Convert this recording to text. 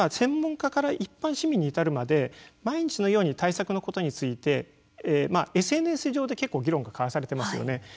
また専門家から一般市民に至るまで毎日のように対策のことについてＳＮＳ上で結構議論が交わされていますよね。